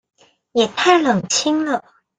也太冷清了